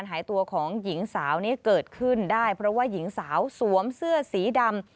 หายตัวของหญิงสาวนี้เกิดขึ้นได้เพราะว่าหญิงสาวสวมเสื้อสีดำ